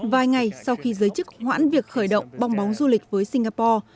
vài ngày sau khi giới chức hoãn việc khởi động bong bóng du lịch với singapore